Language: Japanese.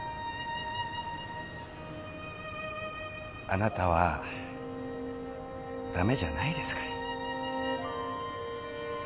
あなたは駄目じゃないですから。